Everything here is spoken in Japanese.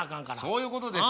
そういうことですよ。